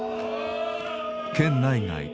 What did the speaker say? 県内外